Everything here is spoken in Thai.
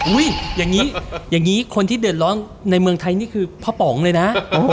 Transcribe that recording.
อย่างนี้อย่างนี้คนที่เดือดร้อนในเมืองไทยนี่คือพ่อป๋องเลยนะ